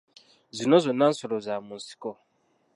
Zino zonna nsolo za mu nsiko.